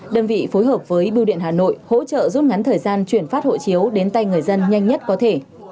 thời gian truyền phát hộ chiếu đến tay người dân nhanh nhất có thể